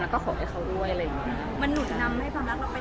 แล้วก็ขอให้เขาด้วยอะไรอย่างเงี้ยมันหนุนนำให้ความรักเราไปในทางที่ดีด้วยไหมค่ะ